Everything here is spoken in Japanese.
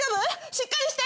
しっかりして！